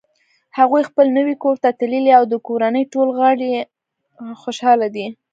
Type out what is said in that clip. هغوی خپل نوی کور ته تللي او د کورنۍ ټول غړ یی خوشحاله دي